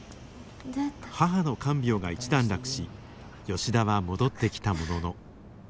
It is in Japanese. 母の看病が一段落し吉田は戻ってきたものの。